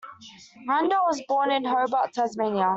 Randell was born in Hobart, Tasmania.